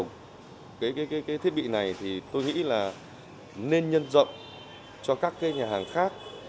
cái thiết bị này thì tôi nghĩ là nên nhân rộng cho các cái nhà hàng khác